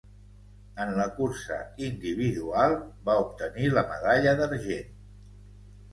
En la cursa individual, va obtenir la medalla d'argent.